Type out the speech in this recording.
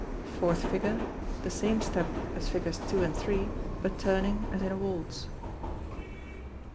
Fourth Figure. The same step as figures two and three, but turning as in a waltz.